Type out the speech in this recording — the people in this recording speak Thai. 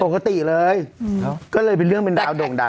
ปกติเลยก็เลยเป็นเรื่องเป็นราวโด่งดัง